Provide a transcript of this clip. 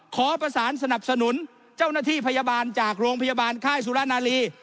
ขอประสานสนับสนุนเจ้าหน้าที่พยาบาลจากโรงพยาบาลค่ายสุรนาลี